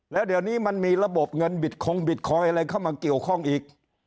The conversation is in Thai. แล้วเดี๋ยวนี้มันมีระบบเงินบิดคงบิตคอยอะไรเข้ามาเกี่ยวข้องอีก